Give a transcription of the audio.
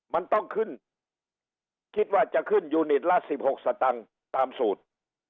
มันต้องขึ้นคิดว่าจะขึ้นยูนิตละ๑๖สตังค์ตามสูตร